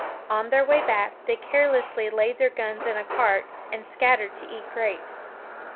On their way back, they carelessly laid their guns in a cart, and scattered to eat grapes.